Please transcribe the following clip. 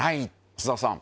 須田さん